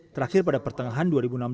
terakhir pada pertengahan dua ribu enam belas